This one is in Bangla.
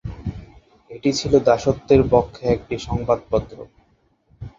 এটি ছিল দাসত্বের পক্ষের একটি সংবাদপত্র।